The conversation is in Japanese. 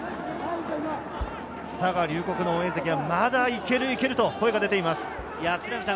佐賀・龍谷の応援席はまだ行けると声が出ています。